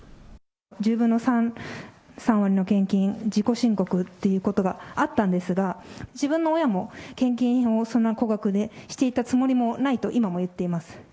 １０分の３、３割の献金、自己申告っていうことがあったんですが、自分の親も、献金を、そんな高額でしていたつもりもないと今も言っています。